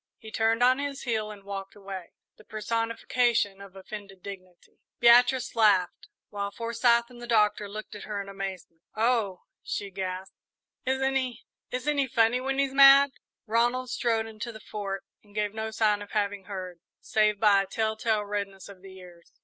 He turned on his heel and walked away, the personification of offended dignity. Beatrice laughed, while Forsyth and the Doctor looked at her in amazement. "Oh," she gasped, "isn't he isn't he funny when he's mad!" Ronald strode into the Fort and gave no sign of having heard, save by a tell tale redness of the ears.